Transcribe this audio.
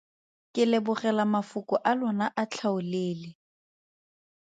Ke lebogela mafoko a lona a tlhaolele.